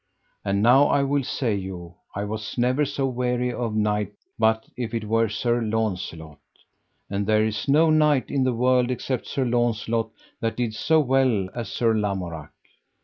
And now I will say you, I was never so weary of knight but if it were Sir Launcelot. And there is no knight in the world except Sir Launcelot that did so well as Sir Lamorak.